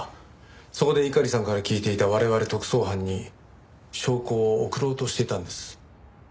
そこで猪狩さんから聞いていた我々特捜班に証拠を送ろうとしていたんです。